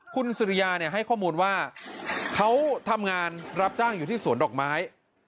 คุณสุริยาให้ข้อมูลว่าเขาทำงานรับจ้างอยู่ที่สวนดอกไม้